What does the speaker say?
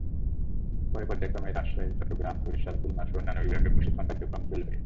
পরে পর্যায়ক্রমে চট্টগ্রাম, রাজশাহী, বরিশাল, খুলনাসহ অন্যান্য বিভাগে প্রশিক্ষণ কার্যক্রম চলবে।